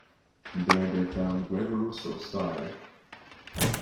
There they found Gregor Russoff's diary.